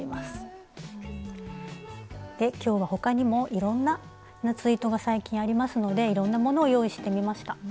今日は他にもいろんな夏糸が最近ありますのでいろんなものを用意してみました。